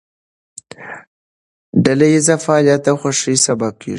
ډلهییز فعالیت د خوښۍ سبب کېږي.